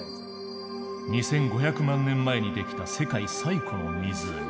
２，５００万年前にできた世界最古の湖。